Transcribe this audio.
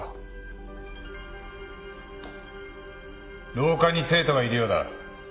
廊下に生徒がいるようだ。